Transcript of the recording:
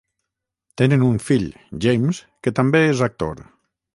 Tenen un fill, James, que també és actor.